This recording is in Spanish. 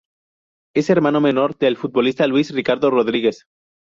Es hermano menor del futbolista Luis Ricardo Rodríguez.